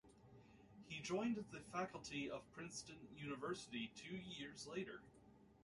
He joined the faculty of Princeton University two years later.